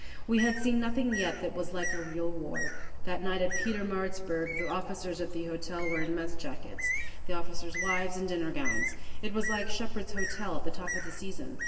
We had seen nothing yet that was like real war. That night at Pietermaritzburg the officers at the hotel were in mess jackets, the officers' wives in dinner gowns. It was like Shepheard's Hotel, at the top of the season.